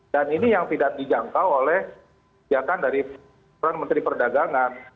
dan ini yang tidak dijangkau oleh pihak pihak dari peran menteri perdagangan